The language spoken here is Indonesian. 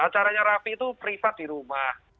acaranya rafi itu privat di rumah